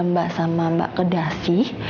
mbak sama mbak kedasi